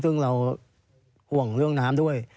ซึ่งเราห่วงเรื่องน้ำด้วย